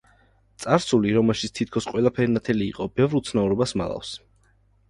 წარსული, რომელშიც თითქოს ყველაფერი ნათელი იყო, ბევრ უცნაურობას მალავს.